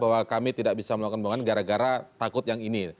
benar saja bahwa kami tidak bisa melakukan pembuangan gara gara takut yang ini